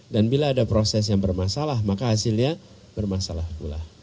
dan bila ada proses yang bermasalah maka hasilnya bermasalah pula